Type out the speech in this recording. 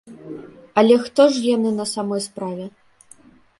Але ж хто яны на самой справе?